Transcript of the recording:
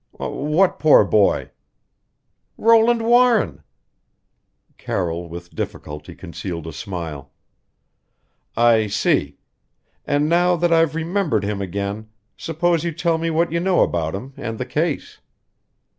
"What poor boy?" "Roland Warren." Carroll with difficulty concealed a smile. "I see! And now that I've remembered him again, suppose you tell me what you know about him and the case?"